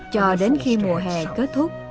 cho đến khi mùa hè